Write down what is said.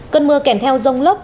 cơn mưa kèm theo rông lốc